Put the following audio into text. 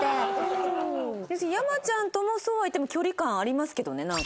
山ちゃんともそうは言っても距離感ありますけどねなんか。